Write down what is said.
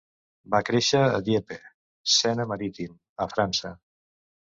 Va créixer a Dieppe (Sena Marítim), a França.